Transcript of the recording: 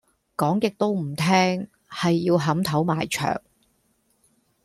講極都唔聽，係要撼頭埋牆。